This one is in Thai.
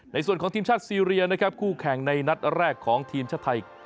ในส่วนของทีมชาติซีเรียนะครับคู่แข่งในนัดแรกของทีมชาติไทย